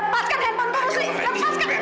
lepaskan handphone ku rizky lepaskan